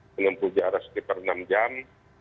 menempuh jarak sekitar enam jam